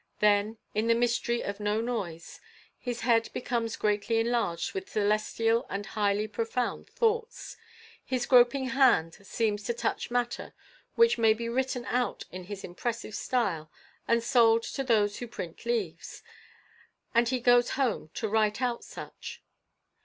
Then, in the mystery of no noise, his head becomes greatly enlarged with celestial and highly profound thoughts; his groping hand seems to touch matter which may be written out in his impressive style and sold to those who print leaves, and he goes home to write out such."